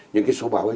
những cái số báo ấy